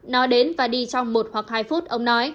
nói đến và đi trong một hoặc hai phút ông nói